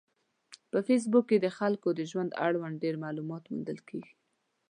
په فېسبوک کې د خلکو د ژوند اړوند ډېر معلومات موندل کېږي.